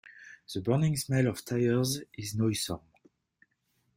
The burning smell of tires is noisome.